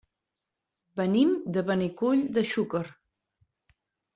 Venim de Benicull de Xúquer.